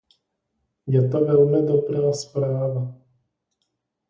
Je to velmi dobrá zpráva.